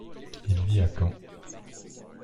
Il vit à Caen.